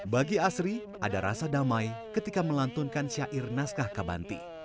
bagi asri ada rasa damai ketika melantunkan syair naskah kabanti